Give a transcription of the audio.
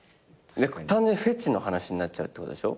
単純にフェチの話になっちゃうってことでしょ。